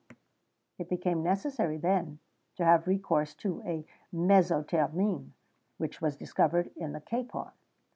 _ It became necessary, then, to have recourse to a mezzo termine, which was discovered in the capon.